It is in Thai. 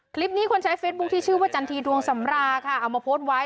คลิปนี้คนใช้เฟซบุ๊คที่ชื่อว่าจันทีดวงสำราค่ะเอามาโพสต์ไว้